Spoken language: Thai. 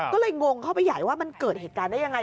ก็เลยงงเข้าไปใหญ่ว่ามันเกิดเหตุการณ์ได้ยังไง